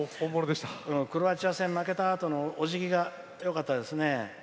クロアチア戦負けた後のおじぎがよかったですね。